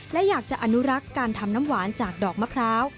และอยากจะอนุรักษ์การทำน้ำหวานจากดอกมะพร้าว